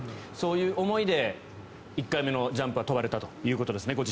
そういう思いで１回目のジャンプを飛ばれたということですね。